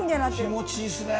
気持ちいいですね。